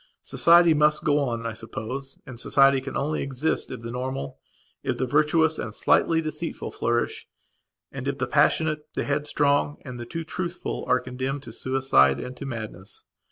Society must go on, I suppose, and society can only exist if the normal, if the virtuous, and the slightly deceitful flourish, and if the passionate, the headstrong, and the too truthful are condemned to suicide and to madness.